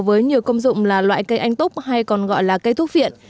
với nhiều công dụng là loại cây anh túc hay còn gọi là cây thuốc viện